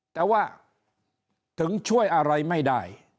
แต่ว่าถึงช่วยอะไรไม่ได้